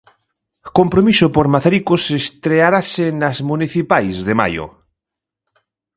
Compromiso por Mazaricos estrearase nas municipais de maio.